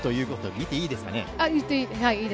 見ていいですね。